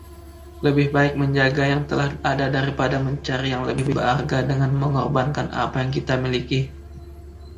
Lebih baik menjaga yang telah ada daripada mencari yang lebih berharga dengan mengorbankan apa yang kita miliki.